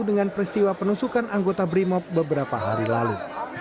dengan peristiwa penusukan anggota brimob beberapa hari lalu